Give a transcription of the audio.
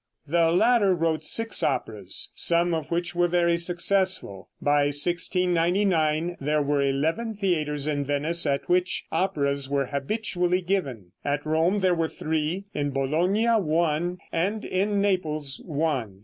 The latter wrote six operas, some of which were very successful. By 1699 there were eleven theaters in Venice at which operas were habitually given; at Rome there were three; in Bologna one; and in Naples one.